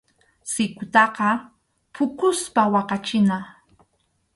Sikutaqa phukuspa waqachina.